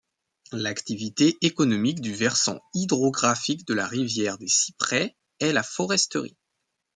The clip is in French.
L’activité économique du versant hydrographique de la rivière des Cyprès est la foresterie.